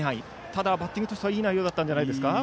ただバッティングとしてはいい内容だったんじゃないですか。